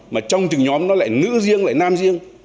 mà trong từng nhóm nó lại nữ riêng lại nam riêng